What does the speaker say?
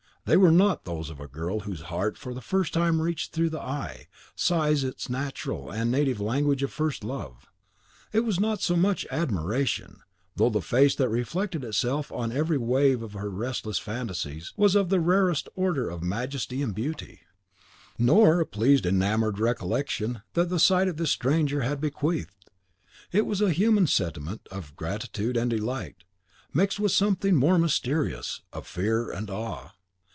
They were not those of a girl whose heart, for the first time reached through the eye, sighs its natural and native language of first love. It was not so much admiration, though the face that reflected itself on every wave of her restless fancies was of the rarest order of majesty and beauty; nor a pleased and enamoured recollection that the sight of this stranger had bequeathed: it was a human sentiment of gratitude and delight, mixed with something more mysterious, of fear and awe.